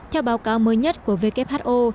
theo báo cáo mới nhất của who